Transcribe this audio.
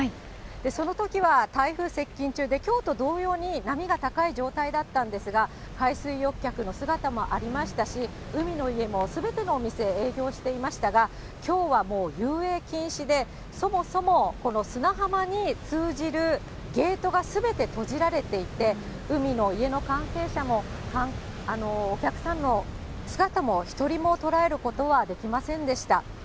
そのときは台風接近中で、きょうと同様に、波が高い状態だったんですが、海水浴客の姿もありましたし、海の家もすべてのお店、営業していましたが、きょうはもう遊泳禁止で、そもそもこの砂浜に通じるゲートがすべて閉じられていて、海の家の関係者も、お客さんの姿も一人も捉えることはできませんでした。